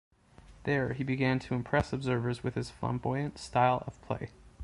There, he began to impress observers with his flamboyant style of play.